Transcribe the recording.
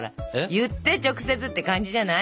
言って直接って感じじゃない？